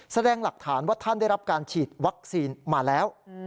แสดงหลักฐานว่าท่านได้รับการฉีดวัคซีนมาแล้ว